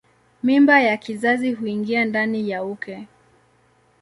Mimba ya kizazi huingia ndani ya uke.